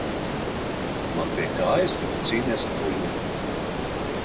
Man pie kājas, ka tu cīnies ar buļļiem!